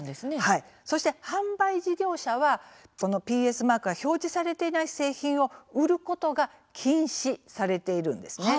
そして販売事業者はＰＳマークが表示されていない製品を売ることが禁止されているんですね。